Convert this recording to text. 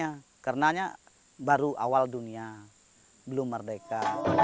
karena baru awal dunia belum merdeka